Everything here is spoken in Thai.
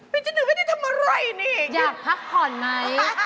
เป็นจนหนึ่งไม่ได้ทำอะไรเนี่ย